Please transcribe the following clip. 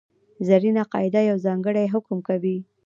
زرینه قاعده یو ځانګړی حکم کوي.